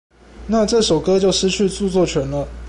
那這首歌就失去著作權了